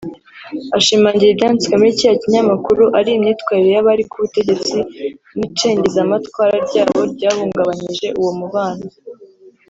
Ashimangira ibyanditswe muri kiriya kinyamakuru ari imyitwarire y’abari ku butegetsi n’icengezamatwara ryabo ryahungabanyije uwo mubano